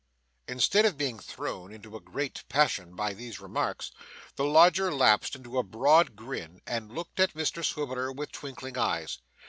Instead of being thrown into a greater passion by these remarks, the lodger lapsed into a broad grin and looked at Mr Swiveller with twinkling eyes.